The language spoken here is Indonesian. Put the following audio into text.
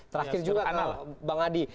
terakhir juga bang hadi